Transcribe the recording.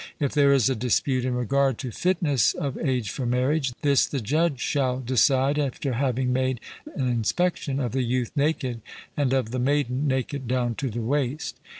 If there is a dispute in regard to fitness of age for marriage, this the judge shall decide, after having made an inspection of the youth naked, and of the maiden naked down to the waist.